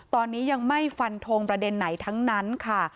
ตอนนี้ยังไม่ฟันทงประเด็นไหนทั้งนั้นค่ะ